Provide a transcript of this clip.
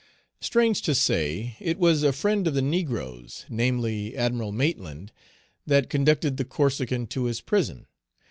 Strange to say, it was a friend of the negroes namely, Admiral Maitland that conducted the Corsican to his prison.